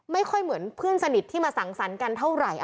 ไม่ค่อยเหมือนเพื่อนสนิทที่มาสั่งสรรค์กันเท่าไหร่